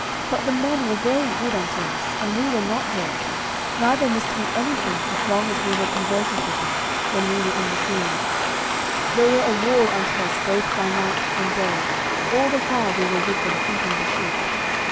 09:025:015 But the men were very good unto us, and we were not hurt, neither missed we any thing, as long as we were conversant with them, when we were in the fields: 09:025:016 They were a wall unto us both by night and day, all the while we were with them keeping the sheep.